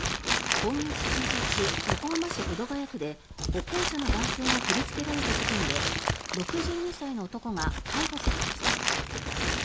今月１日、横浜市保土ケ谷区で歩行者の男性が切りつけられた事件で６２歳の男が逮捕されました。